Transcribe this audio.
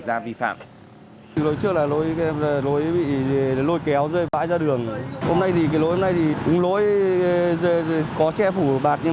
ra vi phạm lối kéo rơi vãi ra đường hôm nay thì cái lối hôm nay thì cũng lối có che phủ bạc nhưng